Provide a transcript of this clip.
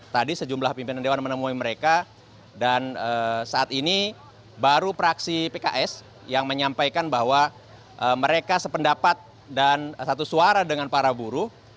tadi sejumlah pimpinan dewan menemui mereka dan saat ini baru praksi pks yang menyampaikan bahwa mereka sependapat dan satu suara dengan para buruh